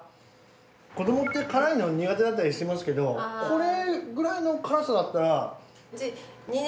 子どもって辛いの苦手だったりしますけどこれくらいの辛さだったら。